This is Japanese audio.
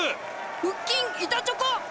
腹筋板チョコ！